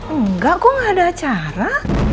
enggak kok gak ada acara